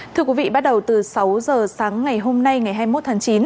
thưa quý vị bắt đầu từ sáu giờ sáng ngày hôm nay ngày hai mươi một tháng chín